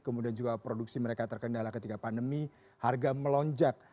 kemudian juga produksi mereka terkendala ketika pandemi harga melonjak